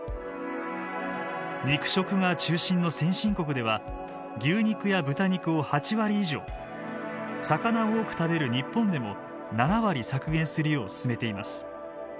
肉食が中心の先進国では牛肉や豚肉を８割以上魚を多く食べる日本でも７割削減するよう勧めています。